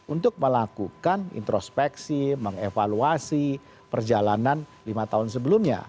untuk melakukan introspeksi mengevaluasi perjalanan lima tahun sebelumnya